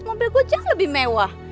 mobil gue jauh lebih mewah